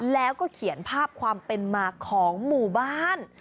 แล้วก็เขียนภาพความเป็นมาของหมู่บ้าน